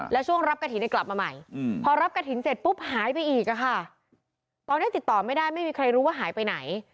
แล้วช่วงรับกระถิ่นก็กลับมาใหม่